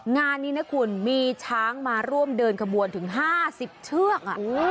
งานนี้นะคุณมีช้างมาร่วมเดินขบวนถึง๕๐เชือก